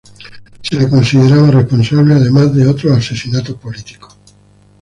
Se le consideraba responsable además de otros asesinatos políticos.